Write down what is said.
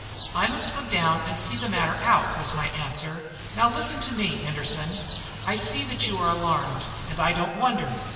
"I must go down and see the matter out," was my answer. "Now listen to me, Henderson. I see that you are alarmed, and I don't wonder.